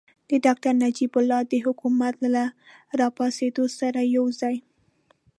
د ډاکتر نجیب الله د حکومت له راپرځېدو سره یوځای.